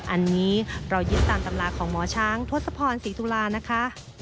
อันนี้เรายึดตามตำราของหมอช้างทศพรศรีตุลานะคะ